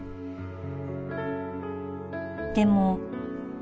［でも］